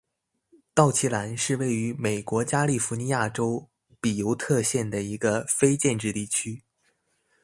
道奇兰是位于美国加利福尼亚州比尤特县的一个非建制地区。